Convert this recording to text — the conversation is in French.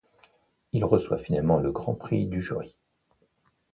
Il reçoit finalement le Grand Prix du Jury.